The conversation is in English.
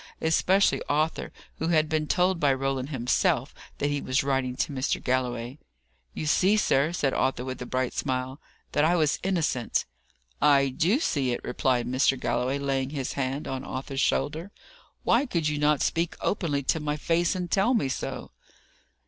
Especially Arthur, who had been told by Roland himself, that he was writing to Mr. Galloway. "You see, sir," said Arthur with a bright smile, "that I was innocent." "I do see it," replied Mr. Galloway, laying his hand on Arthur's shoulder. "Why could you not speak openly to my face and tell me so?"